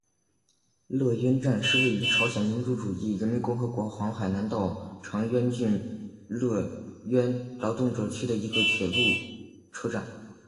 乐渊站是位于朝鲜民主主义人民共和国黄海南道长渊郡乐渊劳动者区的一个铁路车站。